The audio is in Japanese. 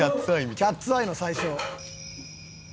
『キャッツ・アイ』の最初。